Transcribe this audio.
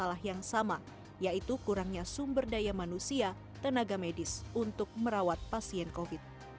masalah yang sama yaitu kurangnya sumber daya manusia tenaga medis untuk merawat pasien covid